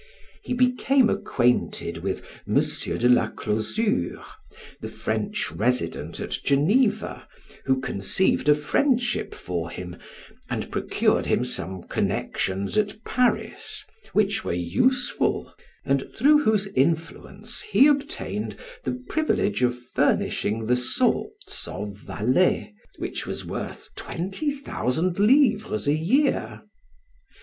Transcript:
He became acquainted with M. de la Closure, the French Resident at Geneva, who conceived a friendship for him, and procured him some connections at Paris, which were useful, and through whose influence he obtained the privilege of furnishing the salts of Valais, which was worth twenty thousand livres a year.